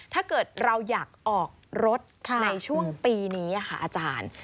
ถ้าเกิดเราอยากออกรถในช่วงปีนี้ค่ะอาจารย์